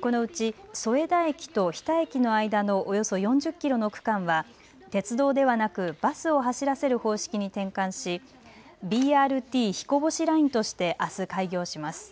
このうち添田駅と日田駅の間のおよそ４０キロの区間は鉄道ではなくバスを走らせる方式に転換しＢＲＴひこぼしラインとしてあす開業します。